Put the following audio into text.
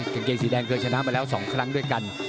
กางเกงสีแดงเคยชนะมาแล้ว๒ครั้งด้วยกัน